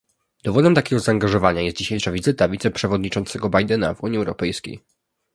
Dowodem takiego zaangażowania jest dzisiejsza wizyta wiceprzewodniczącego Bidena w Unii Europejskiej